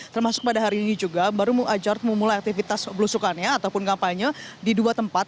termasuk pada hari ini juga baru ajard memulai aktivitas belusukannya ataupun kampanye di dua tempat